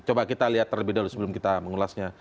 coba kita lihat terlebih dahulu sebelum kita mengulasnya